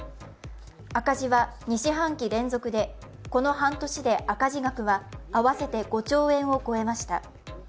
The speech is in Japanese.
赤字は２四半期連続で、この半年で赤字額は合わせて５兆円を超えました。